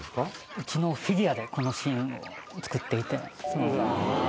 うちのフィギュアでこのシーンを作っていて。